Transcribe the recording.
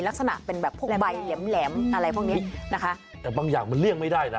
ลักษณะเป็นแบบพวกใบแหลมแหลมอะไรพวกนี้นะคะแต่บางอย่างมันเลี่ยงไม่ได้นะ